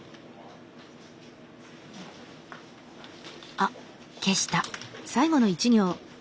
あっ消した。